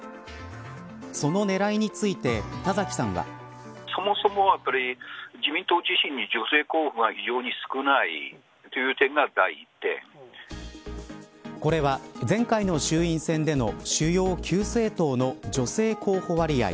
その狙いについて田崎さんは。これは、前回の衆院選での主要９政党の女性候補割合。